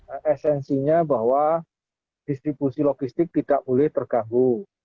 esensinya bahwa distribusi logistik tidak boleh terganggu